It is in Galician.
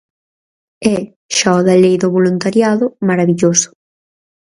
E, xa o da Lei do voluntariado, marabilloso.